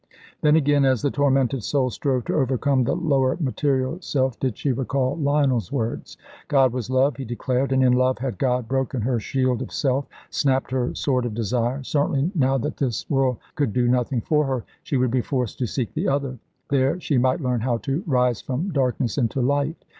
Then, again, as the tormented soul strove to overcome the lower material self, did she recall Lionel's words. God was love, he declared, and in love had God broken her shield of self, snapped her sword of desire. Certainly, now that this world could do nothing for her, she would be forced to seek the other. There she might learn how to rise from darkness into light.